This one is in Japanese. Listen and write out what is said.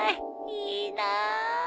いいなあ。